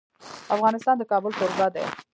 افغانستان د کابل کوربه دی.